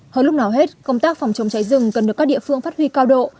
hơn lúc nào hết công tác phòng chống cháy rừng cần được các địa phương phát huy cao độ